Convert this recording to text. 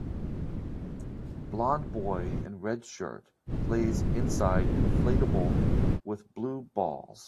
Blond boy in red shirt plays inside inflatable with blue balls.